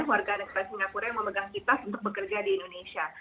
warga negara singapura yang memegang kitas untuk bekerja di indonesia